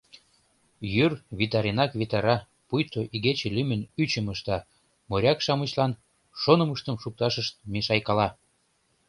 Йӱр витаренак витара, пуйто игече лӱмын ӱчым ышта, моряк-шамычлан шонымыштым шукташышт мешайкала.